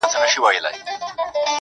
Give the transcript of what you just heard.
مُريد ښه دی ملگرو او که پير ښه دی.